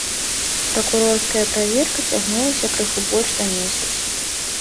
Пракурорская праверка цягнулася крыху больш за месяц.